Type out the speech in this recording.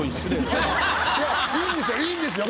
いや良いんですよ良いんですよ。